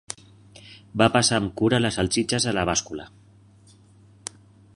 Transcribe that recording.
Va pesar amb cura les salsitxes a la bàscula.